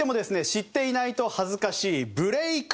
知っていないと恥ずかしいブレイク